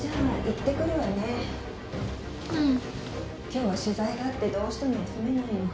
今日は取材があってどうしても休めないの。